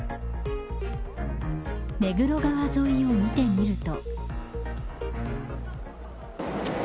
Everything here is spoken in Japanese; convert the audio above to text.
目黒川沿いを見てみると。